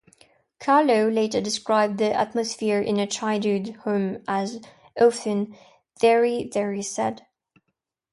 Kahlo later described the atmosphere in her childhood home as often "very, very sad".